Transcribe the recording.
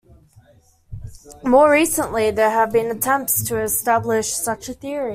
More recently there have been attempts to establish such a theory.